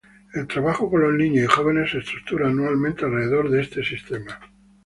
El trabajo con los niños y jóvenes se estructura anualmente alrededor de este sistema.